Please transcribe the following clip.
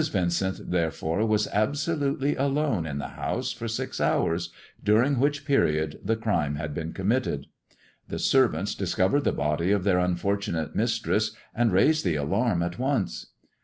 Vincent therefore was absolutely alone in the house for six hours, during which period the crime had been committed. The servants discovered the body of their unfortunate mistress, and raised the alarm at once.